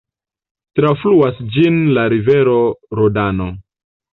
Trafluas ĝin la rivero Rodano.